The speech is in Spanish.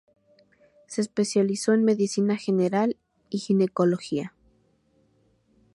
Se especializó en medicina general y ginecología.